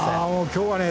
今日はね